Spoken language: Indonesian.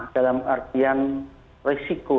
dalam artian risiko